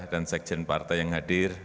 dan sekjen partai yang hadir